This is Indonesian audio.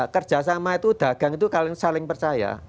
kerjasama itu dagang itu saling percaya